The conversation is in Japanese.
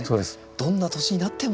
どんな年になっても。